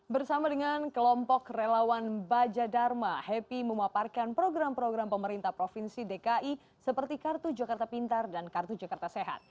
bersama dengan kelompok relawan baja dharma happy memaparkan program program pemerintah provinsi dki seperti kartu jakarta pintar dan kartu jakarta sehat